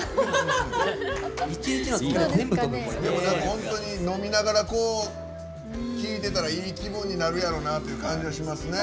本当に飲みながら聴いてたらいい気分になるやろなっていう感じがしますね。